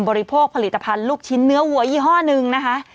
บริโภคผลิตภัณฑ์ลูกชิ้นเนื้อวัวยี่ห้อหนึ่งนะคะ